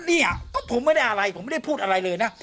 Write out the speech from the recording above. เนี่ยก็ผมไม่ได้อะไรผมไม่ได้พูดอะไรเลยนะ